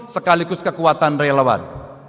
sekaligus kekuatan relawan